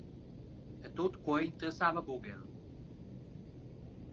E tut quei interessava buc el.